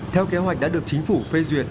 theo kế hoạch đã được chính phủ phê duyệt